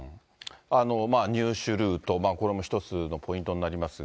入手ルート、これも一つのポイントになりますが。